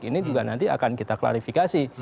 ini juga nanti akan kita klarifikasi